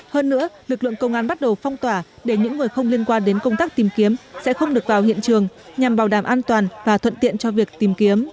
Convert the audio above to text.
hơn nữa lực lượng công an bắt đầu phong tỏa để những người không liên quan đến công tác tìm kiếm sẽ không được vào hiện trường nhằm bảo đảm an toàn và thuận tiện cho việc tìm kiếm